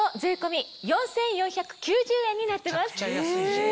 めちゃくちゃ安いじゃん。